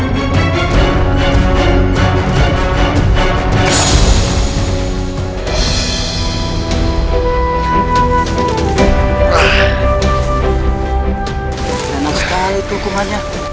tidak ada sekali kehukumannya